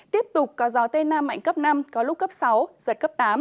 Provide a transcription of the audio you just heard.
tiếp tục có gió tây nam mạnh cấp năm có lúc cấp sáu giật cấp tám